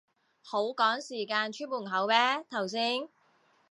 好趕時間出門口咩頭先